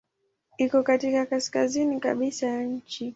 Iko katika kaskazini kabisa ya nchi.